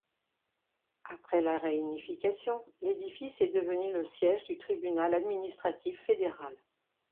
Après la réunification, l'édifice est devenu le siège du tribunal administratif fédéral.